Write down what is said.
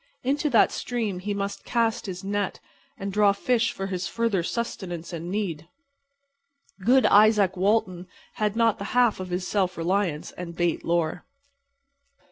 Into that stream he must cast his net and draw fish for his further sustenance and need. Good Izaak Walton had not the half of his self reliance and bait lore.